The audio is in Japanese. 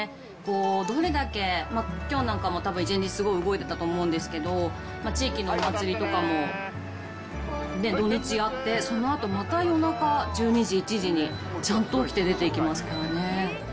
どれだけ、きょうなんかもたぶん、１日すごい動いてたと思うんですけど、地域のお祭りとかも土日やって、そのあと、また夜中１２時、１時に、ちゃんと起きて出て行きますからね。